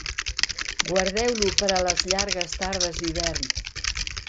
Guardeu-lo per a les llargues tardes d'hivern.